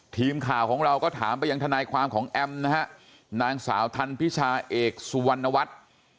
ทีมข่าวของเราก็ถามไปยังทนายความของแอมนะฮะนางสาวทันพิชาเอกสุวรรณวัฒน์